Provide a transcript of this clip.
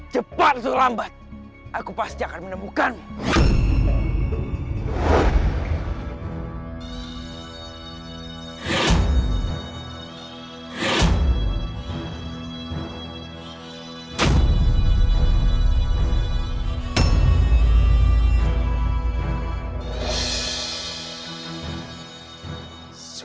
cepat itu lambat aku pasti akan menemukanmu